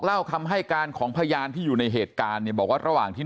เล่าคำให้การของพยานที่อยู่ในเหตุการณ์เนี่ยบอกว่าระหว่างที่